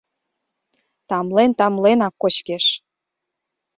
Тамлен-тамленак кочкеш».